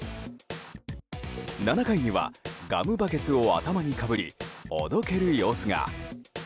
７回にはガムバケツを頭にかぶりおどける様子が。